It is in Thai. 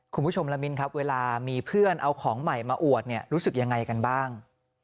คุณผู้ชมละมินครับเวลามีเพื่อนเอาของใหม่มาอวดเนี่ยรู้สึกยังไงกันบ้าง